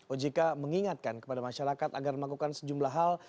ojk mengingatkan kepada masyarakat agar melakukan sejumlah hal